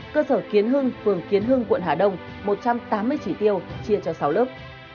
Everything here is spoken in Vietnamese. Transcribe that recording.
cơ sở kiến hưng phường kiến hưng quận hà đông một trăm tám mươi chỉ tiêu chia cho sáu lớp